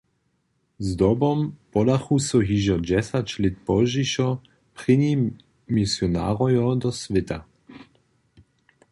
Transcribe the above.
Zdobom podachu so hižo dźesać lět pozdźišo prěni misionarojo do swěta.